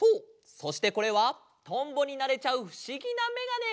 そしてこれはとんぼになれちゃうふしぎなめがね！